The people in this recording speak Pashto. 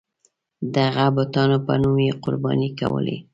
د هغو بتانو په نوم یې قرباني کولې.